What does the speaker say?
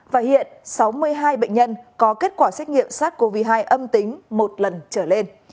và hiện sáu mươi hai bệnh nhân có kết quả xét nghiệm sars cov hai âm tính một lần trở lên